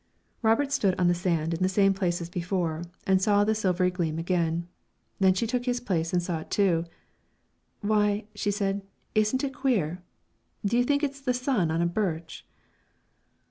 Robert stood on the sand, in the same place as before, and saw the silvery gleam again. Then she took his place and saw it, too. "Why," she said, "isn't it queer? Do you think it's the sun on a birch?"